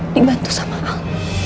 dibantu sama al